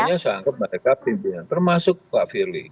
semuanya sangat berpikir termasuk pak firly